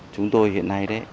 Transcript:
chúng tôi hiện nay